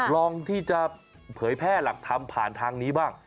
ลองที่จะเผยแพร่หลักธรรมผ่านทางนี้บ้าง